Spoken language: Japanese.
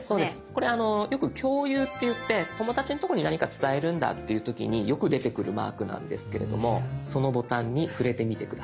これよく「共有」っていって友達のとこに何か伝えるんだっていう時によく出てくるマークなんですけれどもそのボタンに触れてみて下さい。